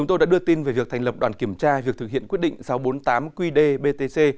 tin về việc thành lập đoàn kiểm tra việc thực hiện quyết định sáu trăm bốn mươi tám qd btc